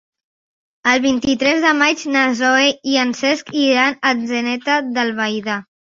El vint-i-tres de maig na Zoè i en Cesc iran a Atzeneta d'Albaida.